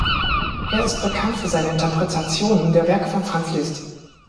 Er ist bekannt für seine Interpretationen der Werke von Franz Liszt.